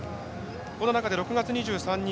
この中で６月２３日